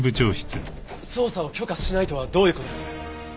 捜査を許可しないとはどういう事です？